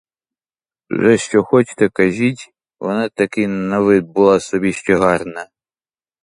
Вже що хочте кажіть, вона таки й на вид була собі ще гарна.